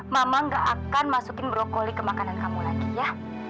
mama gak akan masukin brokoli ke makanan kamu lagi ya